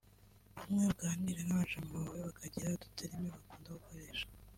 Kumwe uganira n’abajama bawe bakagira udu terme bakunda gukoresha